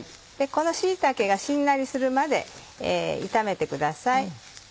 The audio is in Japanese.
この椎茸がしんなりするまで炒めてください。